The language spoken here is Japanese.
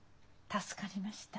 「助かりました」